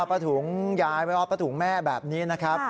พระถุงยายพระถุงแม่แบบนี้นะครับ